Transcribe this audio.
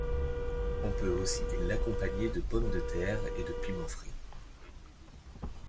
On peut aussi l'accompagner de pommes de terre et de piments frits.